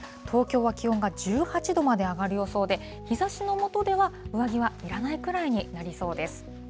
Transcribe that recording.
東京は気温が１８度まで上がる予想で、日ざしの下では上着はいらないくらいになりそうです。